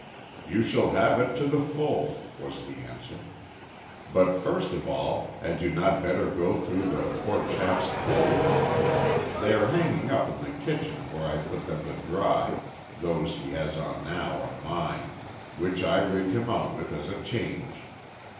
"You shall have it to the full," was the answer. "But first of all had you not better go through the poor chap's clothes they are hanging up in the kitchen where I put them to dry, those he has on now are mine, which I rigged him out with as a change.